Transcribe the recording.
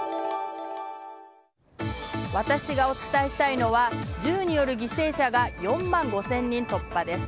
私がお伝えしたいのは銃による犠牲者が４万５０００人突破です。